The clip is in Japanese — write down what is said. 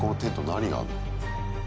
何があんの？